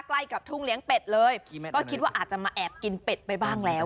ใกล้กับทุ่งเลี้ยงเป็ดเลยก็คิดว่าอาจจะมาแอบกินเป็ดไปบ้างแล้ว